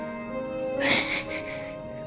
kalau kita nketekan yang